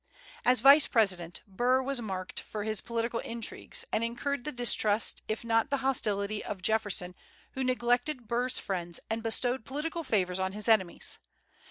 As Vice President, Burr was marked for his political intrigues, and incurred the distrust if not the hostility of Jefferson, who neglected Burr's friends and bestowed political favors on his enemies.